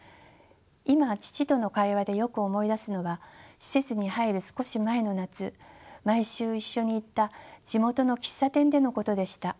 今父との会話でよく思い出すのは施設に入る少し前の夏毎週一緒に行った地元の喫茶店でのことでした。